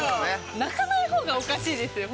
泣かない方がおかしいです。